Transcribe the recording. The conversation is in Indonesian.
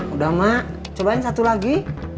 udah mak cobain satu lagi